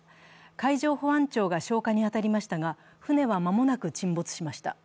海上保安庁が消火に当たりましたが、船は間もなく沈没しました。